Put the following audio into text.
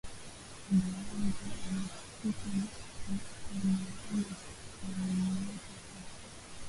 Baba yangu ari kufa ana nyacha na myaka tatu